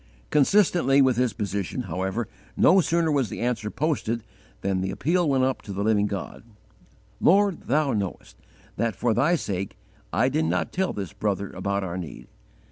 "_ Consistently with his position, however, no sooner was the answer posted than the appeal went up to the Living God: "Lord, thou knowest that, for Thy sake, I did not tell this brother about our need.